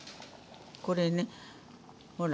これねほら。